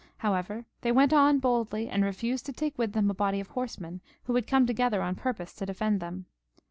However, they went on boldly, and refused to take with them a body of horsemen who had come together on purpose to defend them.